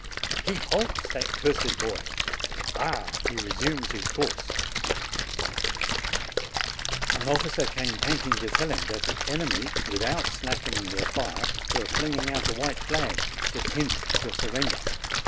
He halts, that cursed boy ! Ah, he resumes his course !" An officer came panting to tell him that the enemy, without slackening their fire, were flinging out a white flag to hint at a surrender.